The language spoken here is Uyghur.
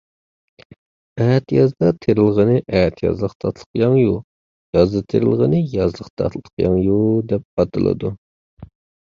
ئەتىيازدا تېرىلغىنى ئەتىيازلىق تاتلىقياڭيۇ، يازدا تېرىلغىنى يازلىق تاتلىقياڭيۇ دەپ ئاتىلىدۇ.